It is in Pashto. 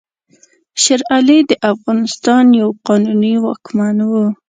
شېر علي د افغانستان یو قانوني واکمن وو.